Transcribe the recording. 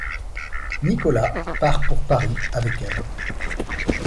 Nicola part pour Paris avec elle.